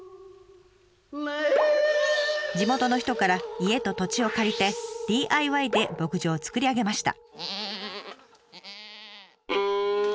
地元の人から家と土地を借りてＤＩＹで牧場を作り上げました。